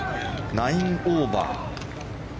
９オーバー。